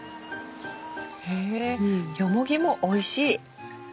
ヨモギもおいしい。